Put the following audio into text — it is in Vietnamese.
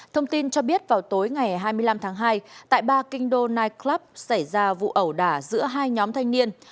thông tin cho biết vào tối ngày hai mươi năm tháng hai tại ba kinh đô nightclub xảy ra vụ ẩu đả giữa hai nhóm thanh niên